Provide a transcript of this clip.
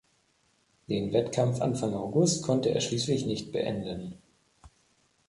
Den Wettkampf Anfang August konnte er schließlich nicht beenden.